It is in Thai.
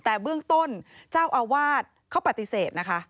แต่เบื้องต้นเจ้าอาวาสเขาปฏิเสธนะคะ